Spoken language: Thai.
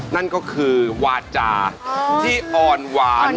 นั่นก็คือวาจาที่อ่อนหวาน